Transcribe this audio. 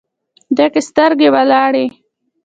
ډکې سترګې ولاړې